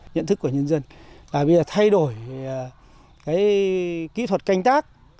nhận thức của nhân dân là bây giờ thay đổi cái kỹ thuật canh tác